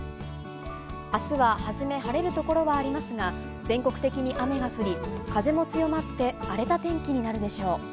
あすははじめ、晴れる所はありますが、全国的に雨が降り、風も強まって、荒れた天気になるでしょう。